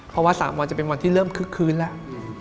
เพราะว่า๓วันจะเป็นวันที่เริ่มคึกคืนแล้ว